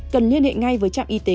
cần liên hệ ngay với trạm y tế